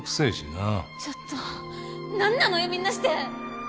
ちょっとなんなのよみんなして！